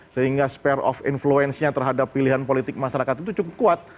sehingga spare of influence nya terhadap pilihan politik masyarakat itu cukup kuat